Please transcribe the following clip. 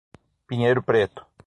Pinheiro Preto